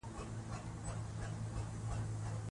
مګر خپله ژبه په لومړي سر کې وساتو.